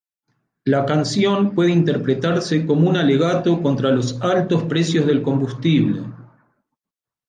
La canción puede interpretarse como un alegato contra los altos precios del combustible.